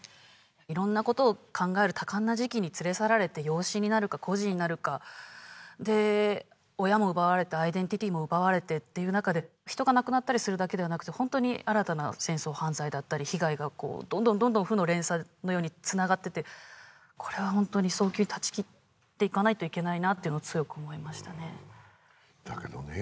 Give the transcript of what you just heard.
色んなことを考える多感な時期に連れ去られて養子になるか孤児になるかで親も奪われてアイデンティティも奪われてっていう中で人が亡くなったりするだけでなくホントに新たな戦争犯罪だったり被害がどんどん負の連鎖のようにつながっていってこれはホントに早急に断ち切っていかないといけないなっていうのを強く思いましたねだけどね